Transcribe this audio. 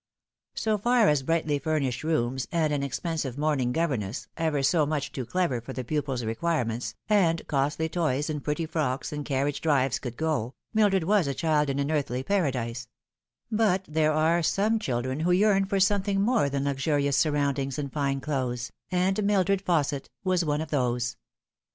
So far as brightly furnished rooms and an expensive morning gover ness, ever so much too clever for the pupil's requirements, and costly toys and pretty frocks and carriage drives, could go, Mildred was a child in an earthly paradise ; but there are some children who yearn for something more than luxurious surround ings and fine clothes, and Mildred Fausset was one of those.